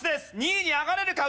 ２位に上がれるか？